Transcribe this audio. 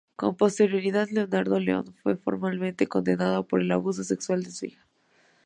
Con posterioridad, Leonardo León fue formalmente condenado por el abuso sexual de su hija.